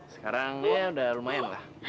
sekarang ya udah lumayan lah